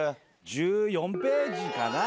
１４ページかな。